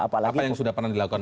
apa yang sudah pernah dilakukan